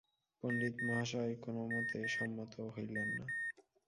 পণ্ডিমহাশয় কোনোমতে সম্মত হইলেন না।